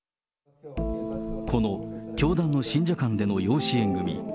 この教団の信者間での養子縁組。